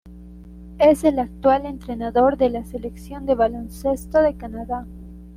Es el actual entrenador de la selección de baloncesto de Canadá.